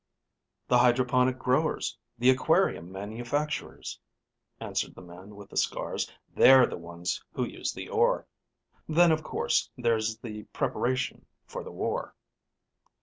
"The hydroponic growers, the aquarium manufacturers," answered the man with the scars. "They're the ones who use the ore. Then, of course, there's the preparation for the war."